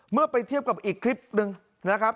เมื่อไปเทียบกับอีกคลิปหนึ่งนะครับ